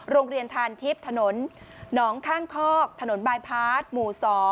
โรงเรียนทานทิพย์ถนนหนองข้างคอกถนนบายพาร์ทหมู่๒